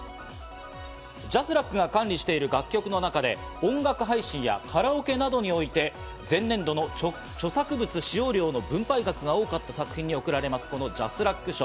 ＪＡＳＲＡＣが管理している楽曲の中で、音楽配信やカラオケなどにおいて、前年度の著作物使用料の分配額が多かった作品に贈られますＪＡＳＲＡＣ賞。